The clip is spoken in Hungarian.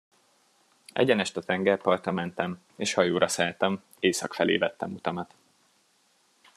Egyenest a tengerpartra mentem, és hajóra szálltam, észak felé vettem utamat.